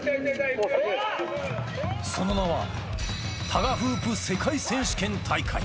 その名は、タガフープ世界選手権大会。